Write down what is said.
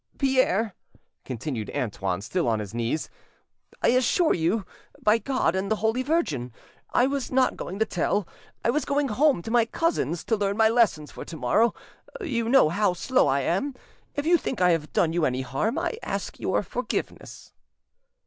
"Pierre," continued Antoine, still on his knees, "I assure you, by God and the Holy Virgin, I was not going to tell. I was going home to my cousins to learn my lessons for to morrow; you know how slow I am. If you think I have done you any harm, I ask your forgiveness."